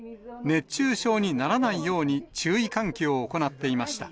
熱中症にならないように注意喚起を行っていました。